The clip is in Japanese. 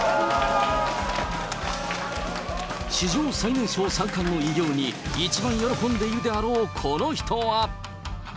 史上最年少三冠の偉業に、一番喜んでいるであろうこの人は。